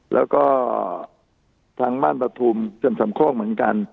แล้วก็ทางบ้านประทุมจนสำโคกเหมือนกัน